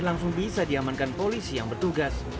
langsung bisa diamankan polisi yang bertugas